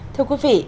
thưa quý vị